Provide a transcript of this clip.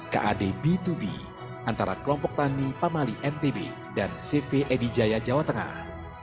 kad b dua b antara kelompok tani pamali ntb dan cv edijaya jawa tengah